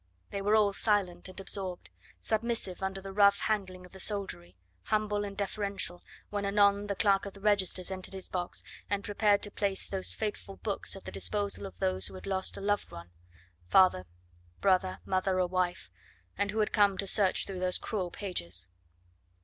They were all silent and absorbed, submissive under the rough handling of the soldiery, humble and deferential when anon the clerk of the registers entered his box, and prepared to place those fateful books at the disposal of those who had lost a loved one father, brother, mother, or wife and had come to search through those cruel pages.